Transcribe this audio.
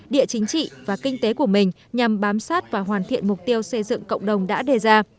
địa chính trị và kinh tế của mình nhằm bám sát và hoàn thiện mục tiêu xây dựng cộng đồng đã đề ra